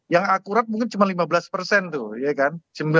yang akurat mungkin cuma lima belas persen tuh ya kan